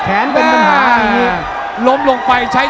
อันดับสุดท้าย